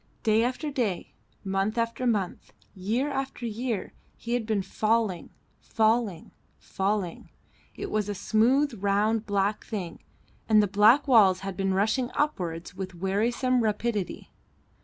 Day after day, month after month, year after year, he had been falling, falling, falling; it was a smooth, round, black thing, and the black walls had been rushing upwards with wearisome rapidity.